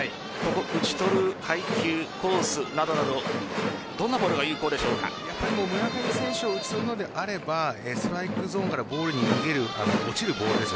ここ、打ち取る配球コースなど村上選手を打ち取るのであればストライクゾーンからボールに逃げる落ちるボールです。